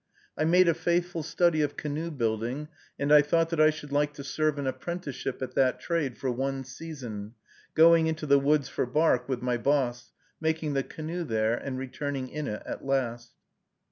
I made a faithful study of canoe building, and I thought that I should like to serve an apprenticeship at that trade for one season, going into the woods for bark with my "boss," making the canoe there, and returning in it at last.